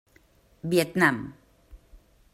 Vietnam.